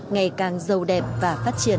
ngày càng giàu đẹp và phát triển